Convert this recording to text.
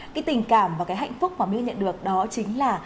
cái tình cảm và cái hạnh phúc mà biêu nhận được đó chính là